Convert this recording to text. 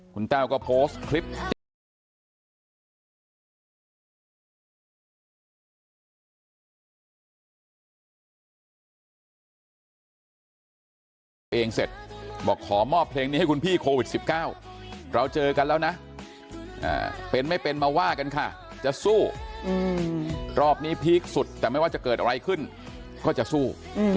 คุณเต้าก็โพสต์คลิป